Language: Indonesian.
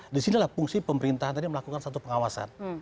di sini lah fungsi pemerintahan tadi melakukan satu pengawasan